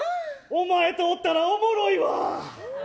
お前とおったらおもろいわ。